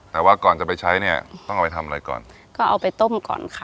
แต่ว่าก่อนจะไปใช้เนี่ยต้องเอาไปทำอะไรก่อนก็เอาไปต้มก่อนค่ะ